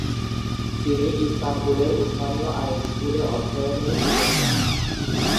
তিনি ইস্তানবুলের উসমানীয় আইন স্কুলে অধ্যয়নের সুযোগ পান।